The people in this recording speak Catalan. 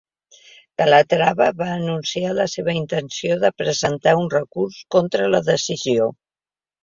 Calatrava va anunciar la seva intenció de presentar un recurs contra la decisió.